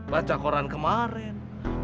baca koran kemarin